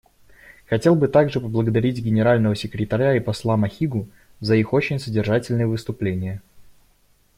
Хотел бы также поблагодарить Генерального секретаря и посла Махигу за их очень содержательные выступления.